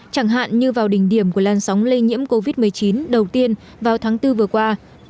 chẳng hạn như vào đỉnh điểm của lan sóng lây nhiễm covid một mươi chín đầu tiên vào tháng bốn vừa qua